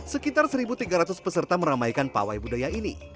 sekitar satu tiga ratus peserta meramaikan pawai budaya ini